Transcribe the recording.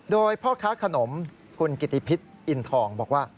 โดยพ่อค้าขนมคุณกิติพิษอินทองบอกว่า